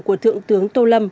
của thượng tướng tô lâm